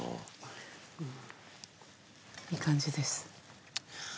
いい感じです。